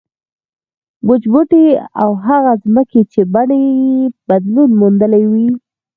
وچ بوټي او هغه ځمکې چې بڼې یې بدلون موندلی وي.